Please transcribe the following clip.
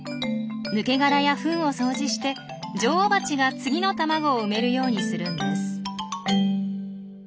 抜け殻やフンを掃除して女王バチが次の卵を産めるようにするんです。